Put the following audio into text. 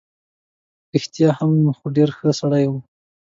رښتیا هم، خو ډېر ښه سړی وو.